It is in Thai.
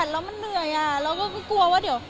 อเรนนี่เติม